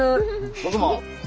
僕も。